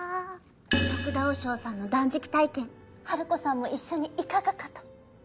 得田和尚さんの断食体験ハルコさんも一緒にいかがかと。